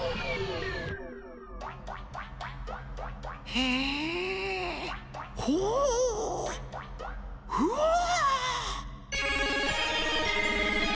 へえほうふわあ。